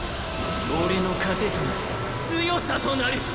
俺の糧となり強さとなる。